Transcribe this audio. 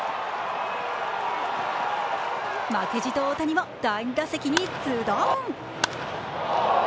負けじと大谷も第２打席にズドーン！